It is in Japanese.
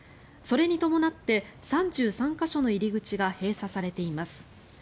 それに伴って３３か所の入り口が閉鎖されています。